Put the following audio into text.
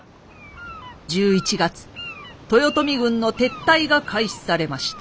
１１月豊臣軍の撤退が開始されました。